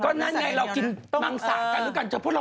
ก็นั่นไงเรากินเมร่งสหาดกันด้วยกันเธอว่ารถไม่รู้